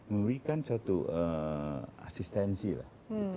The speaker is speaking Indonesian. memberikan satu asistensi lah